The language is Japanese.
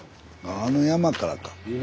あの山からか。